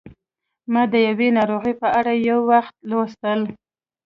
ما د یوې ناروغۍ په اړه یو وخت لوستل